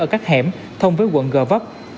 ở các hẻm thông với quận gò vấp